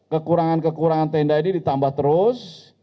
kekurangan kekurangan tenda ini ditambah terus